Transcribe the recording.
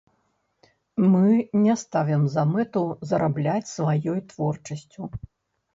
Мы не ставім за мэту зарабляць сваёй творчасцю.